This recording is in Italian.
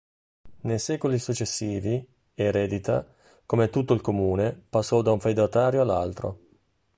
Nei secoli successivi Eredita, come tutto il comune, passò da un feudatario all'altro.